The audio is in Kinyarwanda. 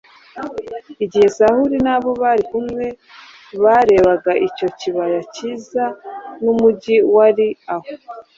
Igihe Sawuli n’abo bari kumwe barebaga icyo kibaya cyiza n’umugi wari aho,